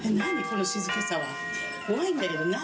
この静けさは。）怖いんだけど何？）